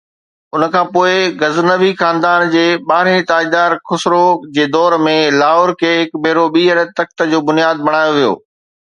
ان کان پوءِ غزنوي خاندان جي ٻارهين تاجدار خسروءَ جي دور ۾، لاهور کي هڪ ڀيرو ٻيهر تخت جو بنياد بڻايو ويو.